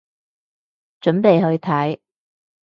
準備去睇